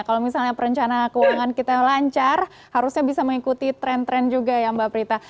kalau misalnya perencanaan keuangan kita lancar harusnya bisa mengikuti tren tren juga ya mbak prita